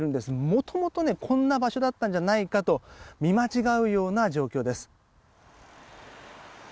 もともと、こんな場所だったんじゃないかと見間違うような状況です。